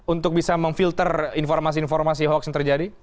untuk bisa memfilter informasi informasi hoax yang terjadi